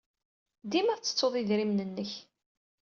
Dima tettettuḍ idrimen-nnek.